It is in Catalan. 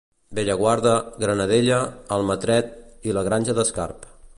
Bellaguarda, Granadella, Almatret i la Granja d'Escarp.